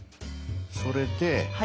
それで。